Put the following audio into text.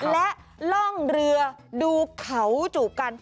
และล่องเรือดูเขาจูบกัน